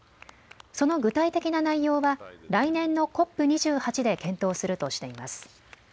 その具体的な内容は来年のＣＯＰ２８で検討するとしています。